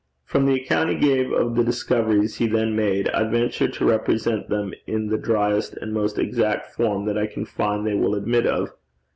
From the account he gave of the discoveries he then made, I venture to represent them in the driest and most exact form that I can find they will admit of.